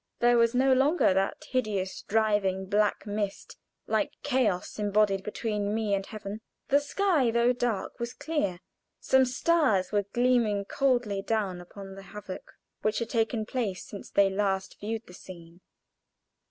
There was no longer that hideous, driving black mist, like chaos embodied, between me and heaven. The sky, though dark, was clear; some stars were gleaming coldly down upon the havoc which had taken place since they last viewed the scene.